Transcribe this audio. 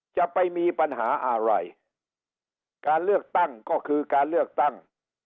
จะไปมีปัญหาอะไรการเลือกตั้งก็คือการเลือกตั้ง